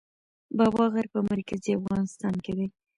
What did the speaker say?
بابا غر په مرکزي افغانستان کې دی